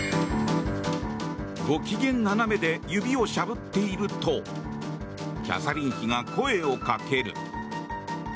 ご機嫌斜めで指をしゃぶっているとキャサリン妃が声をかける。